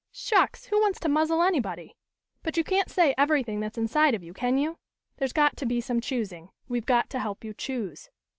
"Shucks! Who wants to muzzle, anybody! But you can't say everything that's inside of you, can you? There's got to be some choosing. We've got to help you choose.